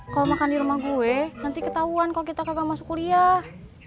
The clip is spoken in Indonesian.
kalau makan di rumah gue nanti ketahuan kalau kita kagak masuk kuliah